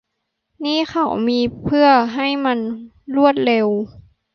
นี่เขามีเพื่อให้มันรวดเร็ว